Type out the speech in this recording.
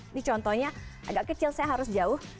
ini contohnya agak kecil saya harus jauh